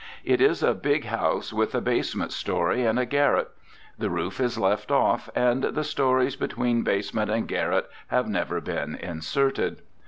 It is a big house with a basement story and a garret. The roof is left off, and the stories between basement and garret have never been inserted.